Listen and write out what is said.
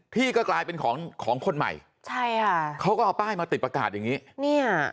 ที่ก็กลายเป็นของคนใหม่เขาก็เอาป้ายมาติดประกาศอย่างนี้